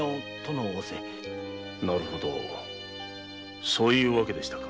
なるほどそういうわけでしたか。